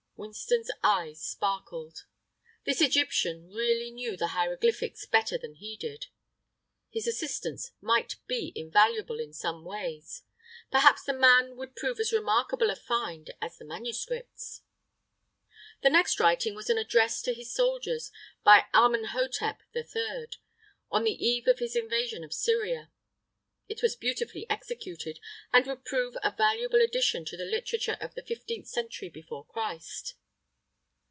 Winston's eyes sparkled. This Egyptian really knew the hieroglyphics better than he did. His assistance might be invaluable in some ways. Perhaps the man would prove as remarkable a find as the manuscripts. The next writing was an address to his soldiers by Amenhotep III, on the eve of his invasion of Syria. It was beautifully executed, and would prove a valuable addition to the literature of the fifteenth century before Christ.